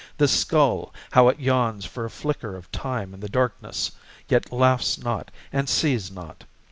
This skull, how it yawns for a flicker of time in the darkness Yet laughs not and sees not!